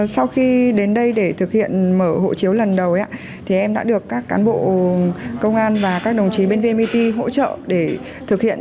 sau khi đến đây để thực hiện mở hộ chiếu lần đầu em đã được các cán bộ công an và các đồng chí bên vnpt hỗ trợ để thực hiện